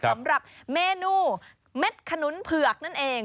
สำหรับเมนูเม็ดขนุนเผือกนั่นเอง